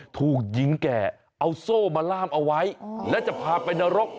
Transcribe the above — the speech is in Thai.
ถูกหญิงแก่เอาโซ่มาล่ามเอาไว้และจะพาไปนรก